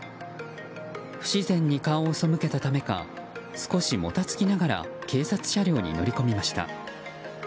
不自然に顔をそむけたためか少しもたつきながら警察車両に乗り込みました。